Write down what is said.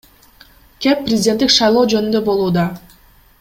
Кеп президенттик шайлоо жөнүндө болууда.